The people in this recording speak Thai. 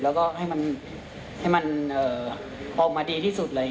แล้วก็ให้มันออกมาดีที่สุดเลย